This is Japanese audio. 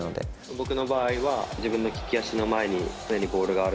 僕の場合は、自分の利き足の前に常にボールがある。